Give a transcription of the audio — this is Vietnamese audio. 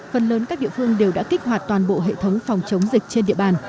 phần lớn các địa phương đều đã kích hoạt toàn bộ hệ thống phòng chống dịch trên địa bàn